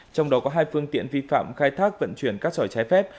trong đó có hai phương tiện vi phạm khai thác vận chuyển cát sỏi trái phép